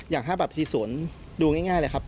อย่าง๕บาทพิธีศูนย์ดูง่ายเลยครับ